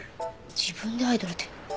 自分でアイドルって。